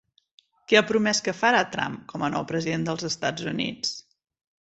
Què ha promès que farà Trump com a nou president dels Estats Units?